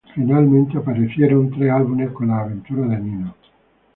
Finalmente apareció tres álbumes con las aventuras de Nino.